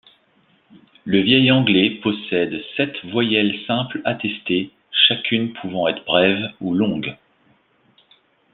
Le vieil anglais possède sept voyelles simples attestées, chacune pouvant être brève ou longue.